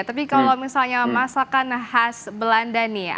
tapi kalau misalnya masakan khas belanda nih ya